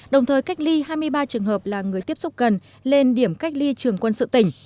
đồng thời cách ly hai mươi ba trường hợp là người tiếp xúc gần lên điểm cách ly trường quân sự tỉnh